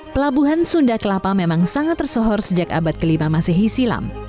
pelabuhan sunda kelapa memang sangat tersohor sejak abad kelima masehi silam